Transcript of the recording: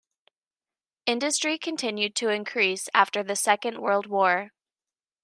Industry continued to increase after the Second World War.